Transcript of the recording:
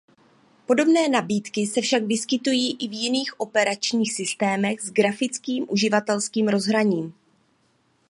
Podobné nabídky se však vyskytují i v jiných operačních systémech s grafickým uživatelským rozhraním.